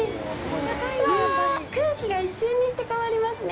わあ、空気が一瞬にして変わりますね。